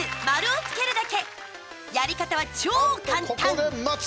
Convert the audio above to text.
やり方は超簡単！